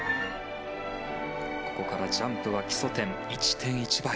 ここからジャンプは基礎点１．１倍。